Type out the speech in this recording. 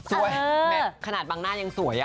สวยแบบขนาดบางหน้ายังสวยอ่ะ